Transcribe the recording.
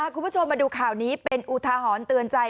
คุณผู้ชมมาดูข่าวนี้เป็นอุทาหรณ์เตือนใจ